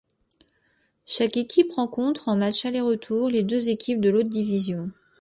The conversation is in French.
Chaque équipe rencontre, en matchs aller-retour, les deux équipes de l'autre division.